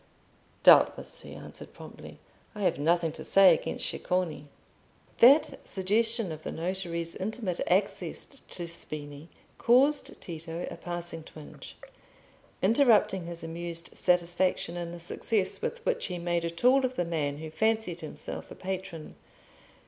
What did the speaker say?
"Doubtless," he answered, promptly. "I have nothing to say against Ceccone." That suggestion of the notary's intimate access to Spini caused Tito a passing twinge, interrupting his amused satisfaction in the success with which he made a tool of the man who fancied himself a patron.